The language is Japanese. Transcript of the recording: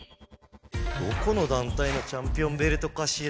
どこのだんたいのチャンピオンベルトかしら？